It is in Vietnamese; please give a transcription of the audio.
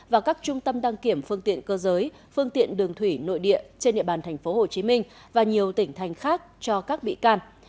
và các trung tâm đăng kiểm phương tiện cơ giới phương tiện đường thủy nội địa trên địa bàn tp hcm và nhiều tỉnh thành khác cho các bị can